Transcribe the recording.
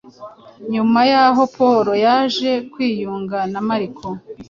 Nyuma y’aho Pawulo yaje kwiyunga na Mariko